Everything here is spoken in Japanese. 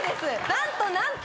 なんとなんと！